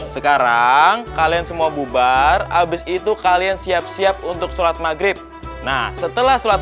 sekarang kalian semua bubar habis itu kalian siap siap untuk sholat maghrib nah setelah sholat